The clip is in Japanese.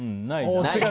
違う！